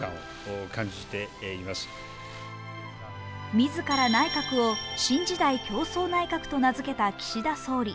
自ら内閣を新時代共創内閣と名付けた岸田総理。